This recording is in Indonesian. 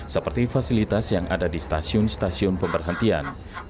seperti fasilitas yang ada di stasiun stasiun pemberhentian